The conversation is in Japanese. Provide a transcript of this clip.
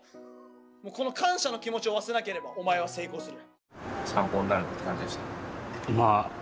この感謝の気持ちを忘れなければお前は成功する。